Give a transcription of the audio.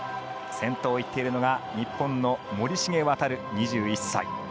先頭をいっているのが日本の森重航、２１歳。